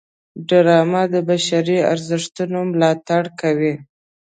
ډرامه د بشري ارزښتونو ملاتړ کوي